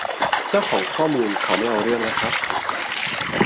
เจ้าของข้อมูลเขาไม่เอาเรื่องนะครับ